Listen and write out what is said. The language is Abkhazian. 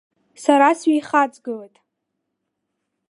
Сара сҩеихаҵгылеит.